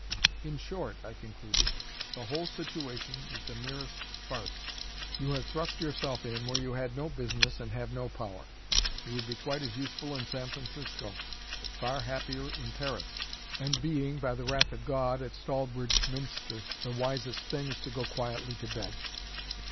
"In short," I concluded, "the whole situation is the merest farce. You have thrust yourself in where you had no business and have no power. You would be quite as useful in San Francisco; far happier in Paris; and being (by the wrath of God) at Stallbridge Minster, the wisest thing is to go quietly to bed."